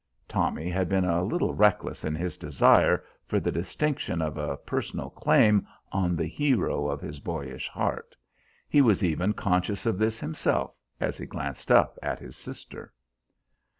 Tommy had been a little reckless in his desire for the distinction of a personal claim on the hero of his boyish heart. He was even conscious of this himself, as he glanced up at his sister.